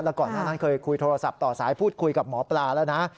ก่อนหน้านั้นเคยคุยโทรศัพท์ต่อสายพูดคุยกับหมอปลาแล้วนะ